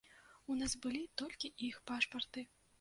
У нас былі толькі іх пашпарты.